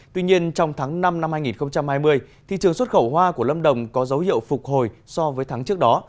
tuy nhiên trong tháng năm năm hai nghìn hai mươi thị trường xuất khẩu hoa của lâm đồng có dấu hiệu phục hồi so với tháng trước đó